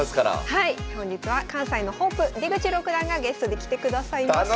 はい本日は関西のホープ出口六段がゲストで来てくださいます。